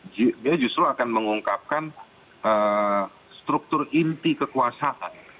dia justru akan mengungkapkan struktur inti kekuasaan